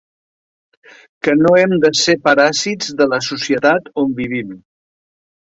Que no hem de ser paràsits de la societat on vivim.